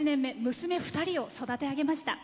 娘２人を育て上げました。